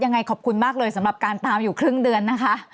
ยังไงขอบคุณมากเลยสำหรับการตามอยู่ครึ่งเดือนนะคะ